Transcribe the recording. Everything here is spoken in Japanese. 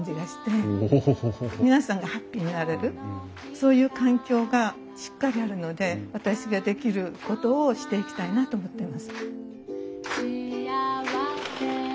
皆さんがハッピーになれるそういう環境がしっかりあるので私ができることをしていきたいなと思ってます。